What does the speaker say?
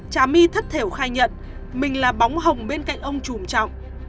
trả my thất thểu khai nhận mình là bóng hồng bên cạnh ông trùm trọng